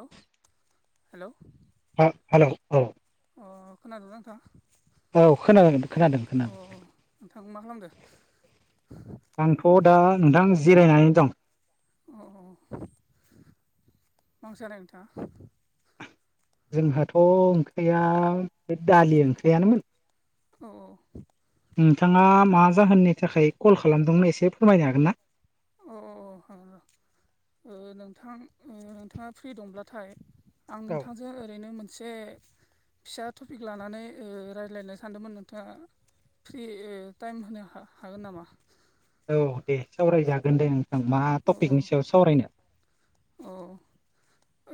हेल hello अ hello औ खोनादोंना नोंथां। औ खोनादों खोनादों अ खोनादों। नोंथां मा खालामदो अ आंथ' दा नोंथां जिरायनानै दं। अ मा ओंख्रि जानाय नोंथाङा जोंहाथ' ओंख्रिया बे दालि ओंख्रियानोमोन। औ-औ। नोंथाङा मा जाहोननि थाखाय कल खालामदोंमोन एसे फोरमायनो हागोन ना? अ औ-औ हागोन र 'नोंथां नोंथाङा फ्रि दंब्लाथाय आं औ नोंथांजों ओरैनो मोनसे फिसा टपिक लानानै रायज्लायनो सानदोंमोन नोंथाङा फ्रि टाइम होनो हागोन नामा? औ दे सावरायजागोन दे नोंथां मा टपिकनि सायाव सावरायनो औ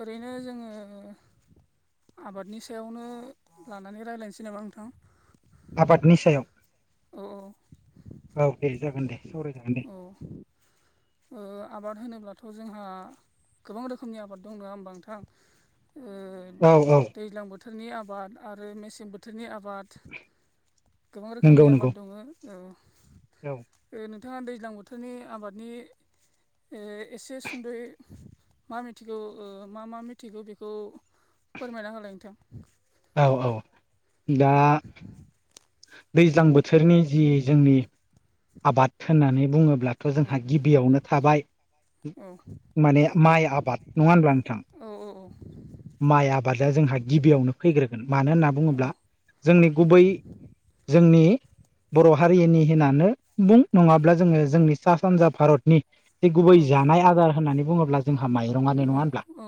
ओरैनो जोङो आबादनि सायावनो लानानै रायलायनोसै नामा नोंथां। आबादनि सायाव औ-औ। औ दे जागोन दे सावराय जागोन। अ। आबाद होनोब्लाथ' जोंहा गोबां रोखोमनि आबाद दं नङा होमबा नोंथां थां ओ औ-औ। दैज्लां बोथोरनि आबाद आरो मेसें बोथोरनि आबाद गोबां नंगौ रोखोमनि नंगौ आबाद दङ। औ। नोंथाङा दैज्लां बोथोरनि आबादनि। एसे सुद'यै मा मिथिगौ मा मा मिथिगौ बेखौ। फोरमायना होलाय नोंथां औ औ दा दैज्लां बोथोरनि जि जोंनि आबाद होननानै बुङोब्लाथ' औ जोंहा औ गिबियावनो थाबाय औ माने माइ आबाद नङा होनब्ला नोंथां। औ औ औ माइ आबादा जोंहा गिबियावनो फैग्रोगोन मानो होनना औ बुङोब्ला जोंनि गुबै। जोंनि बर' हारिनि होननानै बुं नङाब्ला जोङो जोंनि सा सानजा भारतनि। बे गुबै औ जानाय आदार होननानै बुङोब्ला जोंहा माइरंआनो नङा होनब्ला औ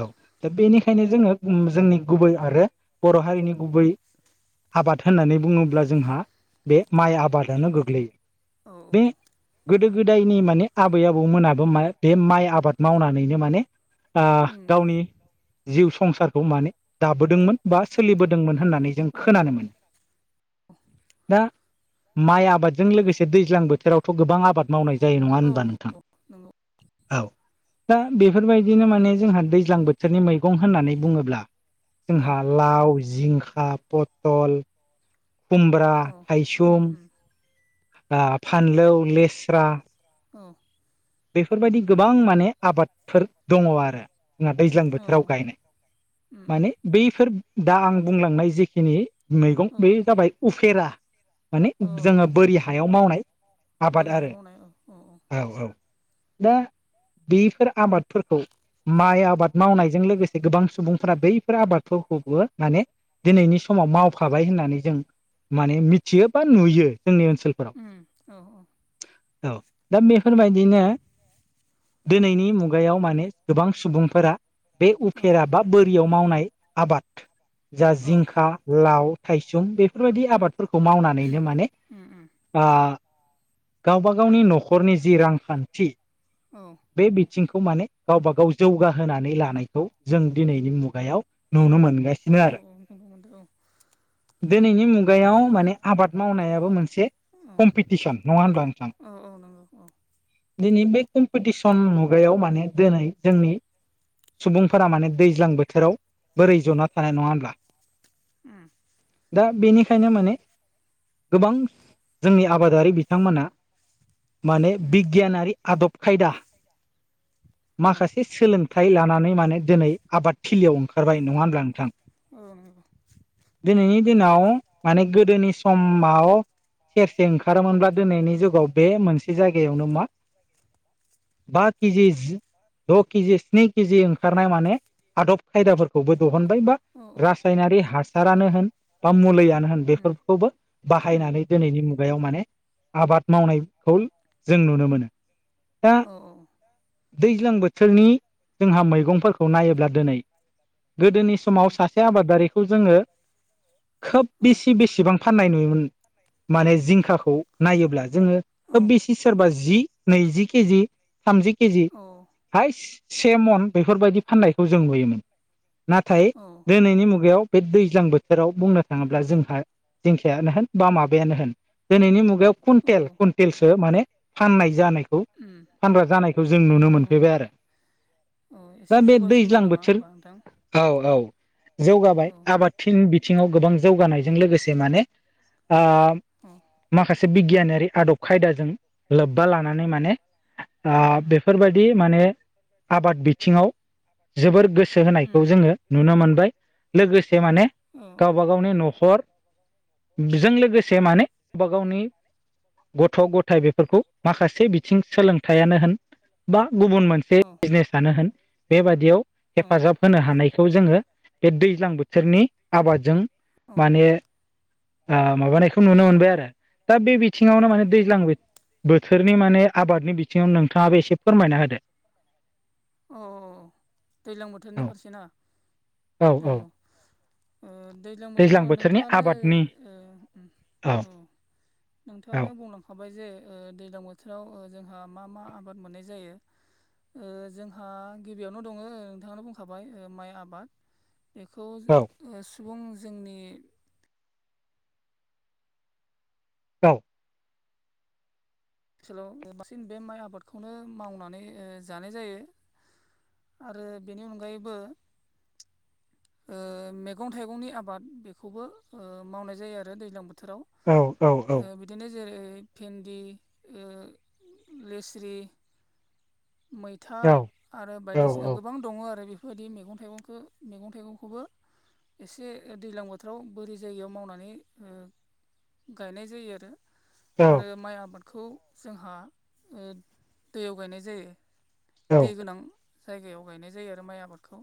औ दा बेनिखायनो जोङो जोंनि गुबै आरो बर' हारिनि गुबै [inaudible] आबाद होननानै बुङोब्ला जोंहा बे माइ आबादानो गोग्लैयो। औ बे औ गोदो गोदायनि माने आबै आबौमोनाबो माइ बे माइ आबाद मावनानैनो माने गावनि जिउ संसारखौ माने दाबोदोंमोन बा सोलिबोदोंमोन होननानै जों औ खोनानो मोनो दा माइ आबादजों लोगोसे दैज्लां बोथोराव थ' गोबां आबाद मावनाय जायो नङा औ होनबा नोंथां। औ नंगौ औ दा बेफोरबायदिनो माने जोंहा दैज्लां बोथोरनि मैगं होननानै बुङोब्ला औ जोंहा लाव जिंखा पथल खुमब्रा औ थाइसुम फानलौ लेस्रा अ बेफोरबायदि गोबां माने आबादफोर दंङो आरो। जोंना दैज्लां औ बोथोराव गायनाय माने बैफोर दा आं बुंलांनाय जेखिनि मैगं औ बे जाबाय उफेरा माने औ जोंङो बोरि हायाव मावनाय बोरै आबाद हायाव आरो मावनाय औ औ औ दा बेफोर आबादफोरखौ माइ आबाद मावनायजों लोगोसे गोबां सुबुंफोरा बैफोर आबादफोरखौबो माने दिनैनि समाव मावफाबाय होननानै जों माने मिथियो बा नुयो जोंनि ओनसोलखौ उम औ औ औ दा बेफोरबायदिनो। दिनैनि मुगायाव माने गोबां सुबुंफोरा बे औ उफेरा बा बोरियाव मावनाय आबाद जा औ जिंखा लाव थाइसुम बेफोरबायदि आबाद फोरखौ मावनानैनो माने उम उम गावबागावनि न'खरनि जि रांखान्थि औ बे बिथिंखौ माने गावबा गाव जौगाहोनानै लानायखौ जों दिनैनि मुगायाव। नुनो मोनगासिनो औ आरो औ नुनो मोनदों औ। दिनैनि मुगायाव माने आबाद मावनायाबो मोनसे कम्पिटिसन नंङा होनब्लाा नोंथां। औ औ नंगौ औ। दिनै बे कम्पिटिसन मुगायाव माने दिनै जोंनि सुबुंफोरा माने दैज्लां बोथोराव बोरै जना थानाय नंङा होनब्ला। ओम दा बेनिखायनो माने गोबां जोंनि आबादारि बिथांमोना माने बिगियानारि आदब खायदा माखासे सोलों थाय लानानै माने दिनै आबाद थिलियाव ओंखारबाय नंङा होनब्ला नोंथां? औ नंगौ औ उम औ नंगौ दिनैनि दिनाव माने गोदोनि समाव सेरसे ओंखारोमोनब्ला दिनैनि जुगाव बे मोनसे जायगायावनो मा बा केजिस द केजिस स्नि केजि ओंखारनाय माने आदब खायदाफोरखौबो दिहुनबाय बा औ रासायनारि हासार हासारानो होन बा मुलियानो होन उम बेफोरखौबो उम बाहायनानै दिनैनि मुगायाव माने आबाद मावनायखौ जों नुनो मोनो। दा औ औ दैज्लां बोथोरनि जोंहा मैगंफोरखौ नायोब्ला दिनै गोदोनि समाव सासे आबादारिखौ जोंङो खोब बेसे बेसेबां फाननाय नुयोमोन। माने जिंखाखौ नायोब्ला जोंङो खोब बेसे सोरबा जि नैजि केजि थामजि केजि औ हाय से मन बेफोरबायदि फाननायखौ जों नुयोमोन। नाथाय दिनैनि मुगायाव बे दैज्लां बोथोराव बुंनो थांङोब्ला जोंहा जिंखायानो होन बा माबायानो होन दिनैनि मुगायाव कुइन्टेल कुइन्टेलसो माने फाननाय जानायखौ उम फानग्रा जानायखौ जों नुनो औ मोनफैबाय आरो। औ दा एसे बे जौगासिनबाय दैज्लां नामा बोथोर होमबा नोंथां औ औ जौगाबाय औ आबाद फिन बिथिंङाव गोबां जौगानायजों लोगोसे माने ओ उम माखासे बिगियानारि आदब खायदाजों लोब्बा लानानै माने उम ओ बेफोरबायदि माने आबाद बिथिङाव जोबोर गोसो होनायखौ उम जोङो नुनो मोनबाय लोगोसे माने उम औ गावबा औ गावनि न'खरजों लोगोसे माने गावबा गावनि गथ' गथाय बेफोरखौ माखासे बिथिं सोलोंथाइयानो होन बा गुबुन औ मोनसे बिजनेसानो होन बेबाददियाव औ हेफाजाब होनो हानायखौ जोङो बे दैज्लां बोथोरनि आबादजों औ माने माबानायखौ नुनो मोनबाय आरो दा बे औ बिथिङावनो माने दैज्लां बोथोरनि माने आबादनि बिथिङाव नोंथाङाबो एसे फोरमायना होदो। अ दैज्लां बोथोरनि फारसे ना औ दैज्लां बोथोराव बोथोरनि नोंथाङानो आबादनि औ औ नोंथाङआानो बुंलां खाबाय जे ओ दैजलां बोथोराव जोंहा मा मा आबाद मोननाय जायो ओ जों आंहा गिबियावनो दङ नोंथांनो बुंखाबाय माइ आबाद बेखौ औ ओ सुबुं जोंनि औ ओनसोलाव बांसिन बे माइ आबादखौनो मावनानै जानाय जायो। आरो बेनि अनगायैबो ओ मैगं थाइगंनि आबाद बेखौबो ओ मावनाय जायो आरो दैज्लां बोथोराव औ औ औ ओ बिदिनो जेरै भिन्दि उम लेस्रि मै फिथा औ आरो औ बायदिसिना गोबां दङ आरो बेफोरबायदि मैगं थाइगंखौ मैगं थाइगंखौबो एसे दैज्लां बोथोराव बोरै जायगायाव मावनानै गायनाय जायो आरो। आरो माइ आबादखौ जोंहा दैयाव गायनाय जायो। औ दै गोनां जायगायाव गायनाय जायो आरो माइ आबादखौ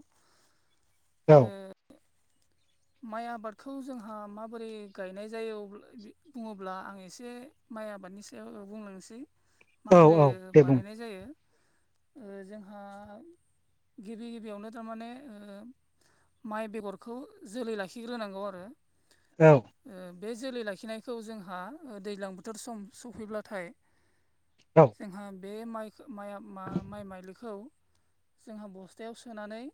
औ ओ माइ आबादखौ जोंहा माबोरै गायनाय जायो बुङोब्ला आं एसे माइ आबादनि सायाव बुंलांनोसै औ माबोरै औ दे बुं बानायनाय जायो जोंहा गिबि गिबियावनो थारमाने माइ बेगरखौ जोलै लाखिग्रोनांगौ आरो औ बे जोलै लाखिनायखौ जोंहा दैज्लां बोथोर सम सफैब्लाथाय जोंहा बे माइ माइ माइ माइलिखौ जोंहा बस्थायाव सोनानै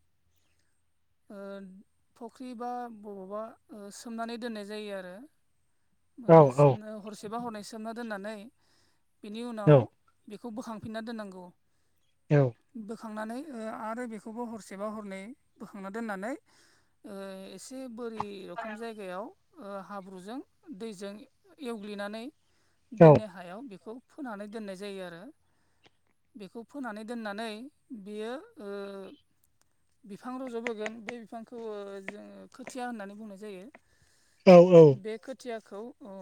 फुख्रि बा बबावबा सोमनानै दोननाय जायो आरो औ औ सोमनो हरसे सेेबा हरनाय सोमना दोननानै बिनि औ उनाव बेखौ बोखांफिनना दोननांगौ औ बोखांनानै आरो बेखौबो हरसेबा हरनै बोखांना दोननानै एसे बोरि रोखोम जायगायाव हाब्रुजों दैजों एवग्लिनानै दोनो हायाव बेखौ फोनानै दोननाय जायो आरो बेखौ फोनानै दोननानै बियो बिफां रज'बबोोगोन बे बिफांखौ जोङो खोथिया होननानै बुंनाय जायो औ औ बे खोथियाखौ औ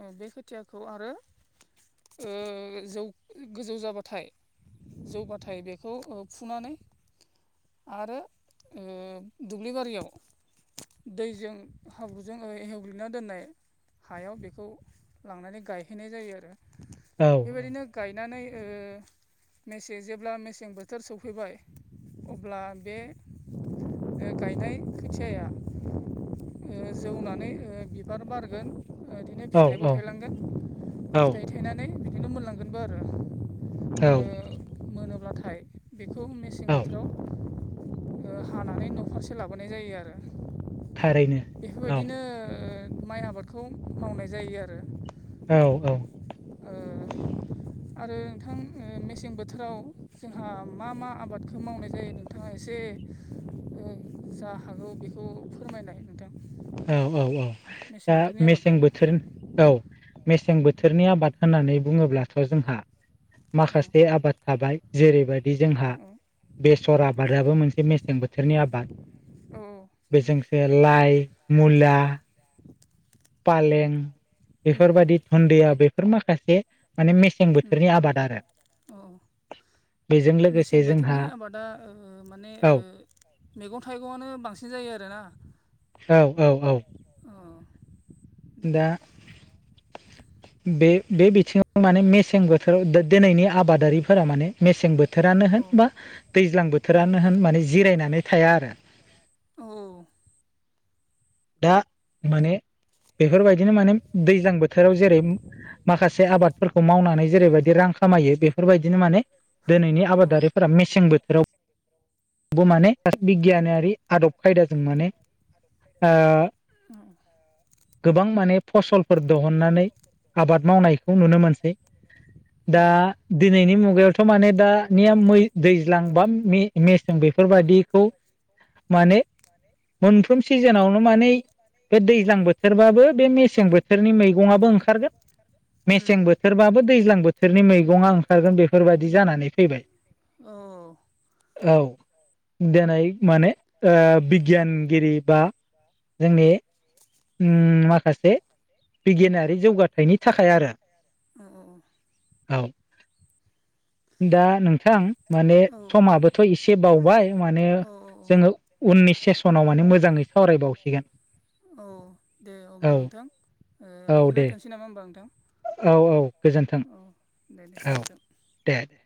औ बे खोथियाखौ आरो जौ गोजौ जाबाथाय जौबाथाय बेखौ ओ फुनानै आरो ओ दुब्लि बारियाव दैजों हाब्रुजों हेवग्लिना दोननाय हायाव बेखौ लांनानै गायहैनाय जायो आरो औ बेबायदिनो गायनानै मेसें जेब्ला मेसें बोथोर सफैबाय अब्ला बे ओ गाय थाय खोथियाया ओ जौनानै ओ बिबार बारगोन ओदिनो औ फिथाइबो थायलांगोन फिथाइ थायनानै नै बिदिनो मोनलांगोनबो आरो औ ओ मोनोब्लाथाय बेखौ मेसें औ बोथोराव ओ हानानै न' फारसे लाबोनाय जायो आरो थारैनो बेफोर औ बायदिनो माइ आबादखौ मावनाय जायो आरो औ औ ओ आरो नोंथां मेसें बोथोराव जोंहा मा मा आबादखो मावनाय जायो नों थाङा एसे ओ जा हागौ बेखौ फोरमायनाय नोंथां औ औ औ मेसें दा बोथोरनि आबादखौ मेसें बोथोर औ मेसें बोथोरनि आबाद होननानै बुङोब्लाथ' जोंहा अ माखासे आबाद थाबाय जेरैबादि जोंहा औ बे सर आबादाबो मोनसे मेसें बोथोरनि आबाद औ बेजोंसे लाइ मुला फालें बेफोर बायदि दुदिया बेफोर माखासे माने मेसें बोथोरनि आबाद आरो औ बेजों मेसें लोगोसे जोंहा बोथोरनि आबादा ओ माने औ ओ मैगं थाइगंआनो बांसिन जायो आरोना औ औ औ औ दे दा बे बे बिथिङाव माने मेसें बोथोराव दोनैनि आबादारिफोरा माने मेसें बोथोरानो औ होन बा दैज्लां औ बोथोरानो होन माने जिरायनानै थाया आरो औ दा माने बेफोर बायदिनो माने दैज्लां बोथोराव जेरै माखासे आबादफोरखौ मावनानै जेरैबायदि रां खामायो बेफोर बायदिनो माने दोनैनि औ आबादारिफोरा मेसें बोथोराव बो माने बिगियानारि आदब खायदाजों माने ओ अ गोबां माने फसलफोर दहुननानै आबाद मावनायखौ नुनो मोनसै औ दा दिनैनि मुगायावथ' माने दा निया मै दैज्लां बा मे-मेसें बेफोर बायदि खौ माने माने मोनफ्रोम सिजोनावनो माने बे दैज्लां बोथोरबाबो बे मेसें बोथोरनि मैगङाबो ओंखारगोन मेसें बोथोरबाबो दैज्लां बोथोरनि मैगङा ओंखारगोन बेफोर बायदि जानानै फैबाय औ औ औ दोनै माने ओ बिगियानगिरि बा जोंनि [inaudible] उम माखासे बिगियानारि जौगाथायाइनि थाखाय आरो अ अ अ औ दा नोंथां माने औ समाबोथ' एसे बावबाय माने औ जोङो उननि सेस सनाव माने मोजाङै सावरायबावसिगोन औ दे औ अब्ला नोंथां औ दे लाखिलायथसै नामा होमबा नोंथां औ औ गोजोन्थों औ दे दे औ गोजोन्थों दे दे